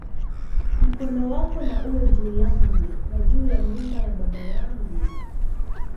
Mkono wako na uwe juu yangu, na juu ya nyumba ya baba yangu"!